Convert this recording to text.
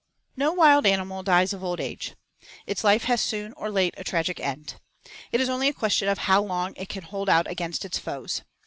VI No wild animal dies of old age. Its life has soon or late a tragic end. It is only a question of how long it can hold out against its foes.